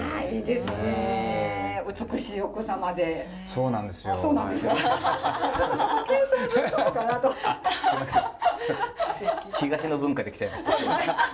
すいません東の文化で来ちゃいました。